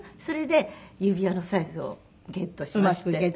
それで指輪のサイズをゲットしまして。